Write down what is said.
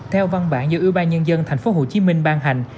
theo văn bản do ưu ba nhân dân thành phố hồ chí minh ban hành